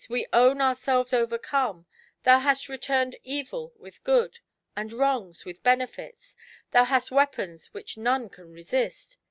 we own ourselves overcome ; thou hast returned evil with good, and wrongs with Benefits, thou hast weapons wliich none can resist.